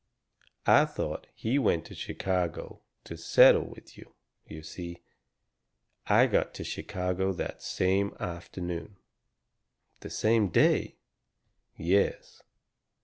I thought he went to Chicago to settle with you. You see, I got to Chicago that same afternoon." "The same day?" "Yes.